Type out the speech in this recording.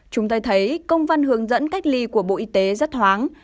chúng ta thấy công văn hướng dẫn cách ly của bộ y tế rất thoáng